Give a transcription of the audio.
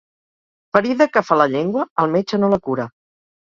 Ferida que fa la llengua, el metge no la cura.